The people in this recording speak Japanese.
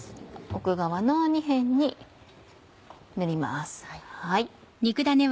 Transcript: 奥側の２辺に塗ります。